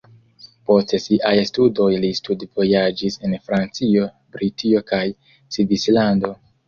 Post siaj studoj li studvojaĝis en Francio, Britio kaj Svislando.